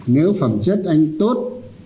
nếu phẩm chất anh tốt